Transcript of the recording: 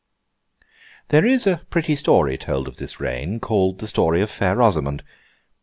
There is a pretty story told of this Reign, called the story of Fair Rosamond.